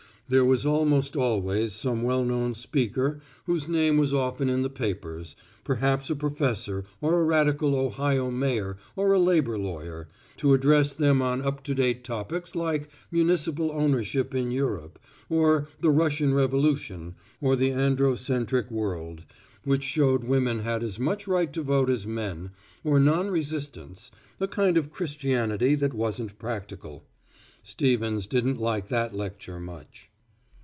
There was almost always some well known speaker whose name was often in the papers, perhaps a professor or a radical Ohio Mayor or a labor lawyer, to address them on up to date topics like Municipal Ownership in Europe or the Russian Revolution or the Androcentric World, which showed women had as much right to vote as men, or non resistance, a kind of Christianity that wasn't practical. Stevens didn't like that lecture much.